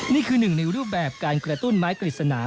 นี่คือหนึ่งในรูปแบบการกระตุ้นไม้กฤษณา